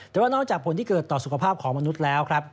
แต่ว่านอกจากผลที่เกิดต่อสุขภาพของมนุษย์แล้วครับ